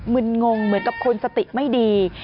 ึนงงเหมือนกับคนสติไม่ดี